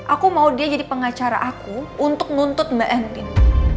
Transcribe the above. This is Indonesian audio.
aku mau dia jadi pengacara aku untuk nuntut mbak entine